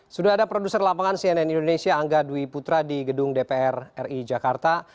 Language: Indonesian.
sudah ada produser lapangan cnn indonesia angga dwi putra di gedung dpr ri jakarta